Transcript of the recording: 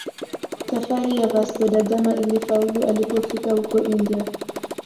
Safari ya Vasco da Gama ilifaulu alipofikia huko India